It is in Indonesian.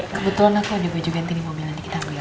kebetulan aku udah baju ganti di mobil nanti kita ambil